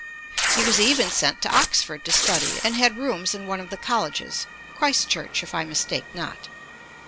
He was even sent to Oxford to study, and had rooms in one of the colleges Christ Church, if I mistake not (p.